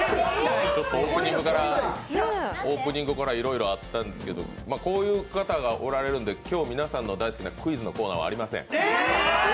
オープニングからいろいろあったんですけど、こういう方がおられるんで、今日皆さんの大好きなクイズのコーナーはありません。